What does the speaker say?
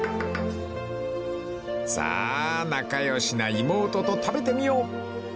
［さあ仲良しな妹と食べてみよう！］